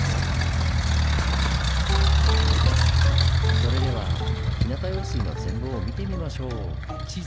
それでは日向用水の全貌を見てみましょう。